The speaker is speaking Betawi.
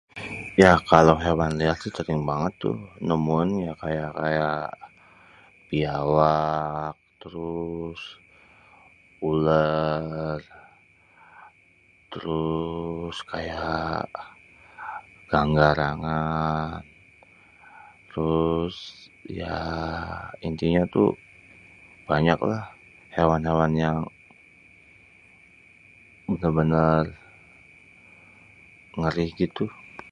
Ya kalau hewannya si yang sering banget tuh nemuin tuh kaya, kaya.. biawak, terus ulêr, terus..kaya ganggarangan, terus yaaa intinya tuh banyaklah hewan-hewan yang benêr-benêr ngeri gitu.